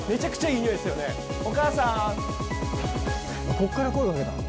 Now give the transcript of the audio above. こっから声掛けたの？